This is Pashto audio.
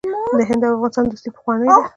د هند او افغانستان دوستي پخوانۍ ده.